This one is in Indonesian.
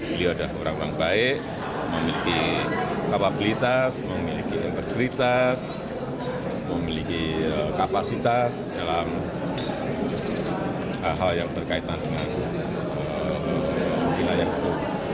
beliau adalah orang orang baik memiliki kapabilitas memiliki integritas memiliki kapasitas dalam hal hal yang berkaitan dengan wilayah hukum